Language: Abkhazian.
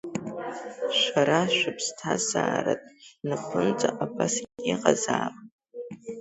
Шәара шәыԥсҭазааратә напынҵа абас иҟазаап…